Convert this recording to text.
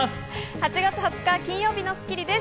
８月２０日、金曜日の『スッキリ』です。